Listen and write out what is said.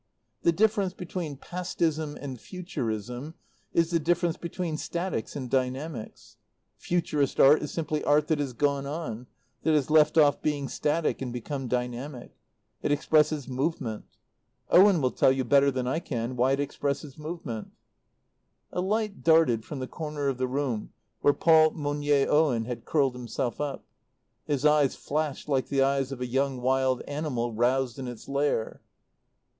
The difference between Pastism and Futurism is the difference between statics and dynamics. Futurist art is simply art that has gone on, that, has left off being static and become dynamic. It expresses movement. Owen will tell you better than I can why it expresses movement." A light darted from the corner of the room where Paul Monier Owen had curled himself up. His eyes flashed like the eyes of a young wild animal roused in its lair.